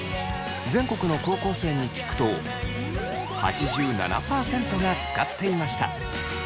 全国の高校生に聞くと８７％が使っていました。